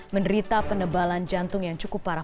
menderita penebalan jantung yang cukup parah